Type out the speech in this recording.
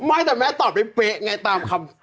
ไม่แต่แม่ตอบได้เป๊ะไงตามคำ